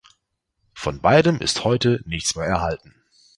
Von beidem ist heute nichts mehr erhalten.